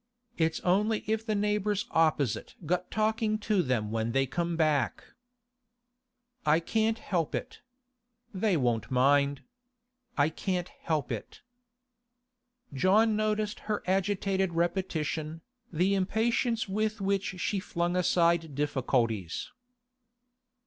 'It's only if the neighbours opposite got talkin' to them when they come back.' 'I can't help it. They won't mind. I can't help it.' John noticed her agitated repetition, the impatience with which she flung aside difficulties.